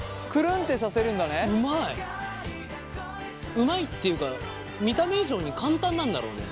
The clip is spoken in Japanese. うまいっていうか見た目以上に簡単なんだろうね。